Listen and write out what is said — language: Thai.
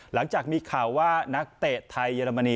หลังจากมีข่าวว่านักเตะไทยเยอรมนี